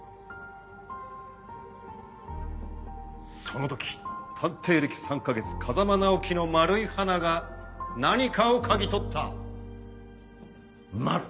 その時探偵歴３か月風真尚希の丸い鼻が何かを嗅ぎ取ったまる。